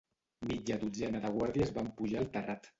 Mitja dotzena de guàrdies van pujar al terrat